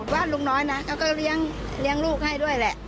บ้านลุงน้อยนะเขาก็เลี้ยงลูกให้ด้วยแหละ